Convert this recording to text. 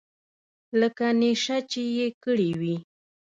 لکه نېشه چې يې کړې وي.